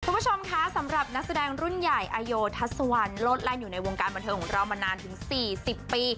คุณผู้ชมคะสำหรับนักแสดงรุ่นใหญ่อโยทัศวรรณโลดแล่นอยู่ในวงการบันเทิงของเรามานานถึง๔๐ปี